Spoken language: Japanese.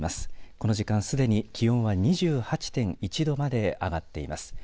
この時間すでに気温は２８．１度まで上がっています。